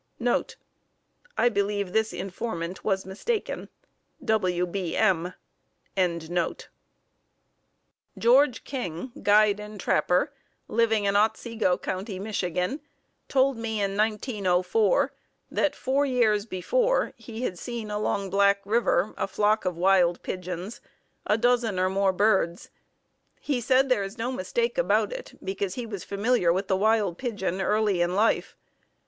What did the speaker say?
[C] [Footnote C: I believe that this informant was mistaken W. B. M.] George King, guide and trapper, living in Otsego County, Michigan, told me in 1904 that four years before he had seen along Black River a flock of wild pigeons, a dozen or more birds. He said there is no mistake about it, because he was familiar with the wild pigeon early in life.